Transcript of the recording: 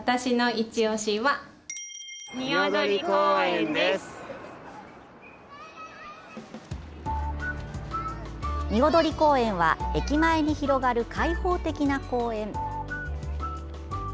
におどり公園は駅前に広がる開放的な公園。